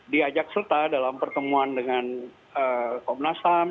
diajak serta dalam pertemuan dengan komnas ham